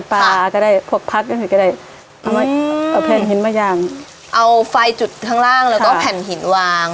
ก็ได้พวกพัดก็คือก็ได้เอามาเอาแผ่นหินมาอย่างเอาไฟจุดข้างล่างแล้วก็แผ่นหินวาง